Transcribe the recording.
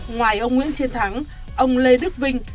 ngoài ông nguyễn chiến thắng ông lê đức vinh